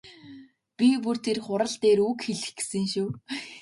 Би бүр тэр хурал дээр үг хэлэх гэсэн шүү.